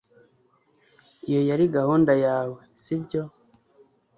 iyo yari gahunda yawe, sibyo